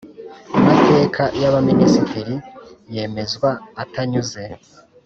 mateka y Abaminisitiri yemezwa atanyuze